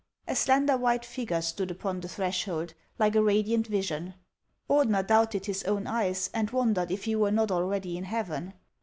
A slender white figure stood upon the threshold, like a radiant vision. Ordener doubted his own eyes, and wondered if he were not already in heaven.